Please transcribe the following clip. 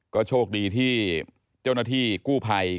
ก็โชคดีที่เจ้าหน้าที่กู้ภัย